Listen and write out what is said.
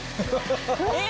えっ！